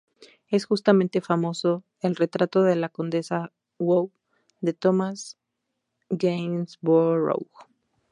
Es justamente famoso el "Retrato de la condesa Howe", de Thomas Gainsborough.